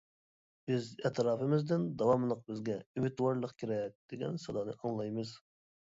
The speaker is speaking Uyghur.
بىز ئەتراپىمىزدىن داۋاملىق بىزگە ئۈمىدۋارلىق كېرەك دېگەن سادانى ئاڭلايمىز.